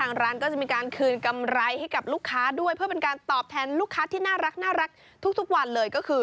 ร้านก็จะมีการคืนกำไรให้กับลูกค้าด้วยเพื่อเป็นการตอบแทนลูกค้าที่น่ารักทุกวันเลยก็คือ